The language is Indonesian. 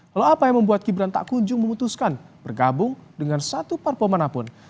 lalu apa yang membuat gibran tak kunjung memutuskan bergabung dengan satu parpol manapun